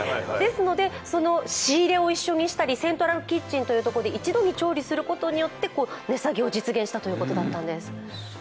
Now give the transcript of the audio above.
ですので、その仕入れを一緒にしたりセントラルキッチンというところで一度に調理することによって値下げを実現したということだったんです。